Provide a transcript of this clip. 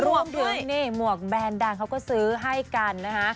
ร่วมด้วยหมวกแบรนด์ดังเค้าก็ซื้อให้กันนะคะ